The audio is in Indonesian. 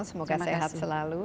semoga sehat selalu